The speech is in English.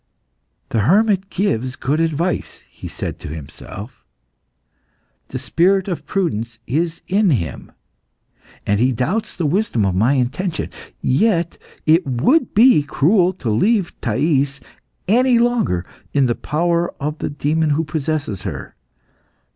"The hermit gives good advice," he said to himself; "the spirit of prudence is in him. And he doubts the wisdom of my intention. Yet it would be cruel to leave Thais any longer in the power of the demon who possesses her.